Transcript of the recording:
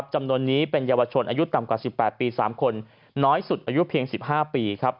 จำนวนนี้เป็นเยาวชนอายุต่ำกว่า๑๘ปี๓คนน้อยสุดอายุเพียง๑๕ปี